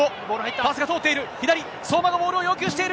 パスが通っている。